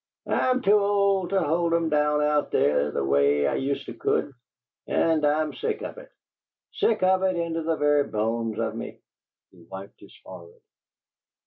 "I'm too old to hold 'em down out there the way I yoosta could, and I'm sick of it sick of it into the very bones of me!" He wiped his forehead.